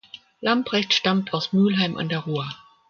Lambrecht stammt aus Mülheim an der Ruhr.